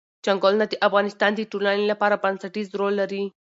چنګلونه د افغانستان د ټولنې لپاره بنسټيز رول لري.